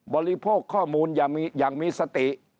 บริโภคข้อมูลอย่างมีสติ